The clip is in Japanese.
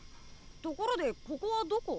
ところでここはどこ？